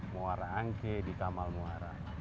muara angke di kamal muara